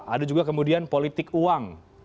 ada juga kemudian politik uang